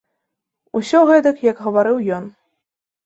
Усё гэтак, як гаварыў ён.